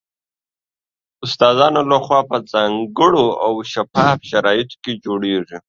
استادانو له خوا په ځانګړو او شفاف شرایطو کې جوړیږي